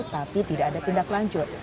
tapi tidak ada tindak lanjut